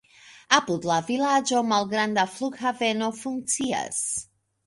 Apud la vilaĝo malgranda flughaveno funkcias.